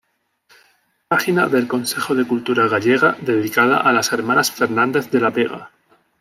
Página del Consejo de Cultura Gallega dedicada a las hermanas Fernández de la Vega